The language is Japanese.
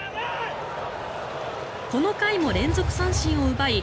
この回も連続三振を奪い